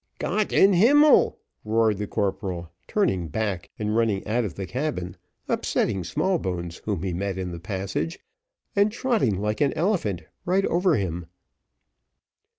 "Gott in himmel!" roared the corporal, turning back, and running out of the cabin, upsetting Smallbones, whom he met in the passage, and trotting, like an elephant, right over him.